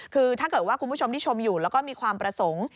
คือถ้าเกิดว่าคุณผู้ชมที่ชมอยู่แล้วก็มีความประสงค์